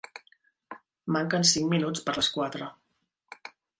Manquen cinc minuts per a les quatre.